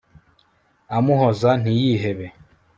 amuhoza ntiyihebe